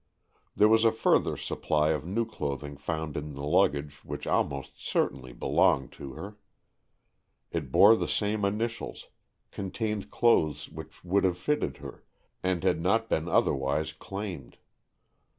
There was a further supply of new clothing found in luggage which almost certainly belonged to her. It bore the same initials, contained AN EXCHANGE OF SOULS 211 clothes which would have fitted her, and had not been otherwise claimed.